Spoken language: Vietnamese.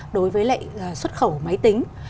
đối với lệ xuất khẩu máy tính